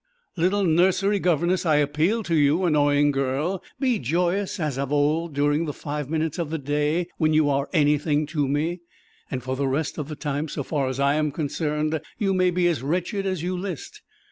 Little nursery governess, I appeal to you. Annoying girl, be joyous as of old during the five minutes of the day when you are anything to me, and for the rest of the time, so far as I am concerned, you may be as wretched as you list.